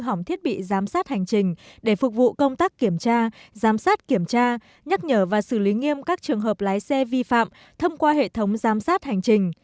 hỏng thiết bị giám sát hành trình để phục vụ công tác kiểm tra giám sát kiểm tra nhắc nhở và xử lý nghiêm các trường hợp lái xe vi phạm thông qua hệ thống giám sát hành trình